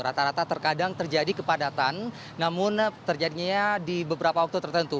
rata rata terkadang terjadi kepadatan namun terjadinya di beberapa waktu tertentu